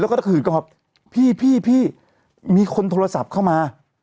แล้วก็ตะขืนก็บอกพี่พี่มีคนโทรศัพท์เข้ามา